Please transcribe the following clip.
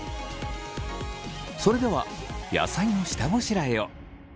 それでは野菜の下ごしらえを。